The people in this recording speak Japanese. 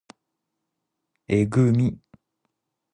えぐみ